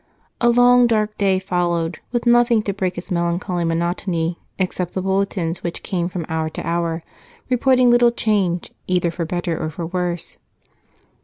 A long dark day followed, with nothing to break its melancholy monotony except the bulletins that came from hour to hour reporting little change either for better or for worse.